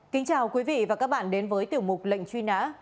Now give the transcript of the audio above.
kính chào quý vị và các bạn đến với tiểu mục lệnh truy nã